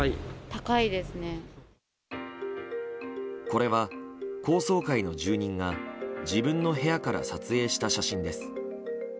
これは、高層階の住人が自分の部屋から撮影した写真です。